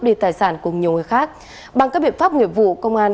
đối tượng vũ thị mai tuyền